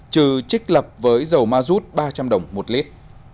trừ trích lập với dầu ma rút ba trăm linh đồng một lít